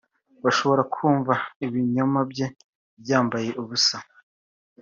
bashobora kumva ibinyoma bye byambaye ubusa